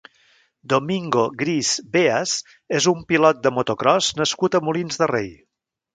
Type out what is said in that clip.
Domingo Gris Veas és un pilot de motocròs nascut a Molins de Rei.